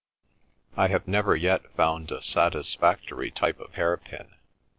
I have never yet found a satisfactory type of hairpin.